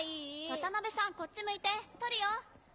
渡辺さんこっち向いて撮るよ。